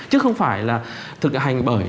chứ không phải là thực hành bởi